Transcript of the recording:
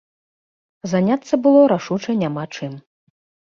Заняцца было рашуча няма чым.